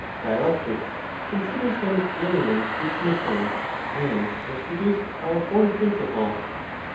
Dialectics considers them alien to its mission, and as produced by a foreign principle.